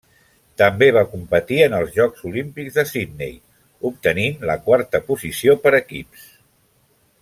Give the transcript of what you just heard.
També va competir en els jocs olímpics de Sydney, obtenint la quarta posició per equips.